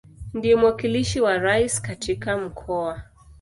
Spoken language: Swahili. Ndiye mwakilishi wa Rais katika Mkoa.